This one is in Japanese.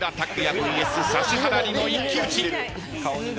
ＶＳ指原莉乃一騎打ち。